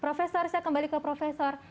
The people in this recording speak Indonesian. profesor saya kembali ke profesor